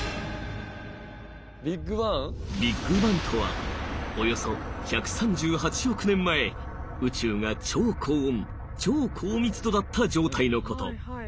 ビッグバンとはおよそ１３８億年前宇宙が超高温超高密度だった状態のこと。